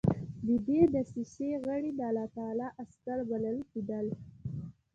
د دې دسیسې غړي د خدای تعالی عسکر بلل کېدل.